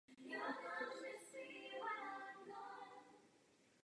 Jednání s Chorvatskem jsou nyní v závěrečné fázi.